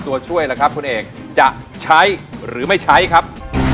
ตัวช่วยล่ะครับคุณเอกจะใช้หรือไม่ใช้ครับ